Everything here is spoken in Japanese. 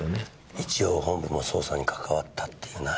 一応本部も捜査に関わったっていうな。